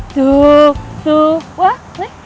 tuh tuh wah